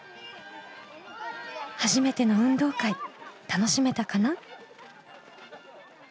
初めての運動会楽しめたかな？